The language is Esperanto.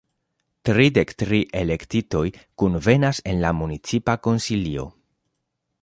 Tridek tri elektitoj kunvenas en la Municipa Konsilio.